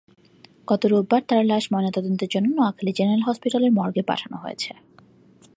গতকাল রোববার তাঁর লাশ ময়নাতদন্তের জন্য নোয়াখালী জেনারেল হাসপাতালের মর্গে পাঠানো হয়েছে।